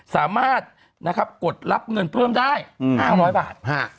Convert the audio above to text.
สามารถกดรับเงินเพิ่มได้๕๐๐บาท